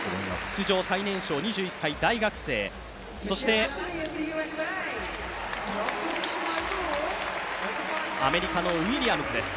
出場最年少２１歳、大学生、そしてアメリカのウィリアムズです。